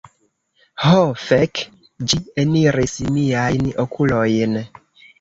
Ho fek... ĝi eniris miajn okulojn.